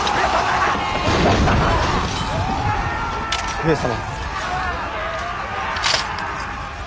上様。